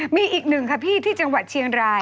มีอีกหนึ่งค่ะพี่ที่จังหวัดเชียงราย